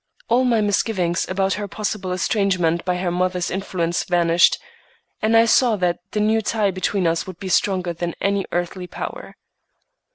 All my misgivings about her possible estrangement by her mother's influence vanished, and I saw that the new tie between us would be stronger than any earthly power.